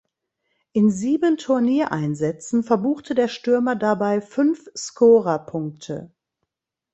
In sieben Turniereinsätzen verbuchte der Stürmer dabei fünf Scorerpunkte.